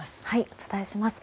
お伝えします。